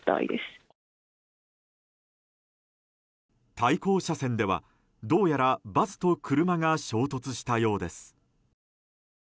対向車線では、どうやらバスと車が衝突したようです。